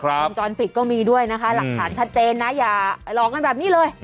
วงจรปิดก็มีด้วยนะคะหลักฐานชัดเจนนะอย่าหลอกกันแบบนี้เลย